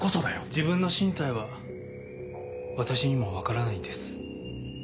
自分の進退は私にも分からないんです。